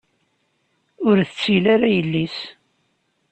Ur tettil ara yelli-s.